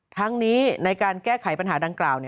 ทั้งนี้ในการแก้ไขปัญหาดังกล่าว